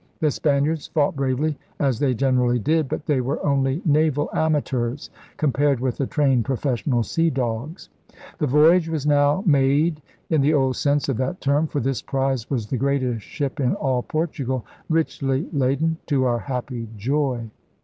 ' The Spaniards fought bravely, as they generally did. But they were only naval amateurs compared with the trained professional sea dogs. The voyage was now *made' in the old sense of that term; for this prize was 'the greatest ship in all Portugal, richly laden, to our Happy Joy.'